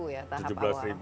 tujuh belas ya tahap awal